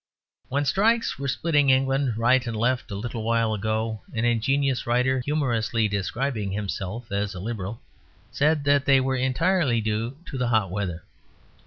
When strikes were splitting England right and left a little while ago, an ingenious writer, humorously describing himself as a Liberal, said that they were entirely due to the hot weather.